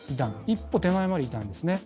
一歩手前までいたんですね。